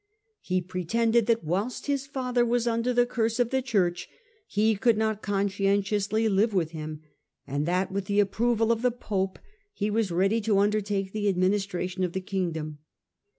He pretended that whilst his father was under the curse of the Church he could not conscien tiously live with him, and that, with the approval of the pope, he was ready to undertake the administration of the kingdom.